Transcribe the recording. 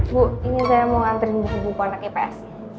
bu ini saya mau nganterin buku buku anak ips